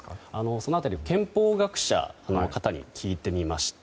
その辺り憲法学者の方に聞いてみました。